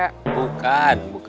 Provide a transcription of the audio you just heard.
bukan bukan bukan